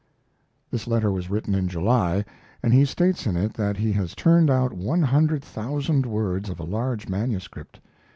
This letter was written in July, and he states in it that he has turned out one hundred thousand words of a large manuscript..